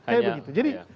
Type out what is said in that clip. hanya begitu jadi